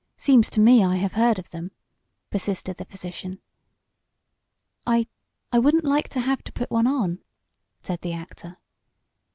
Seems to me I have heard of them," persisted the physician. "I I wouldn't like to have to put one on," said the actor.